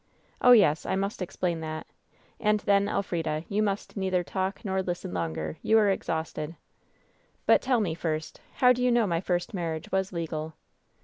"Oh, yes, I must explain that. And then, Elfrida, you must neither talk nor listen longer. You are ex hausted." "But tell me, first, how do you know my first mar riage was legal